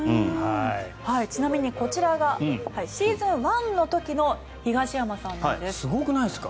ちなみにこちらがシーズン１の時のすごくないですか？